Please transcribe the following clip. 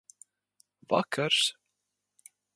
Vakars.